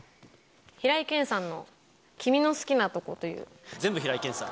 平井堅さんの君の好きなとこ全部、平井堅さん？